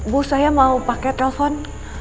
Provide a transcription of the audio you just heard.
bu saya mau pakai telpon